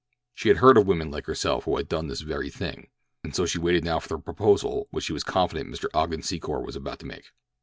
She had heard of women like herself who had done this very thing. And so she waited now for the proposal which she was confident Mr. Ogden Secor was about to make.